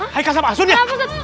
hei kasab asun ya